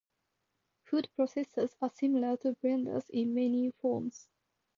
Food processors are similar to blenders in many forms.